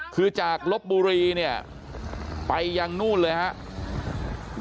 คือจากลบบุรีเนี่ยไปยังนู่นเลยครับ